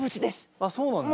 あっそうなんだ。